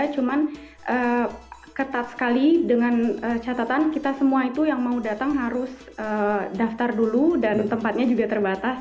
cuman ketat sekali dengan catatan kita semua itu yang mau datang harus daftar dulu dan tempatnya juga terbatas